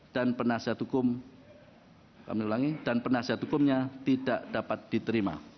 dan penasihat hukumnya tidak dapat diterima